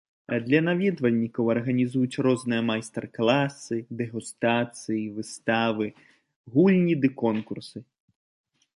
Для наведвальнікаў арганізуюць розныя майстар-класы, дэгустацыі, выставы, гульні ды конкурсы.